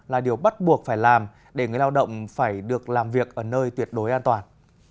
là điều bắt buộc phải làm để người lao động phải được làm việc ở nơi tuyệt đối an toàn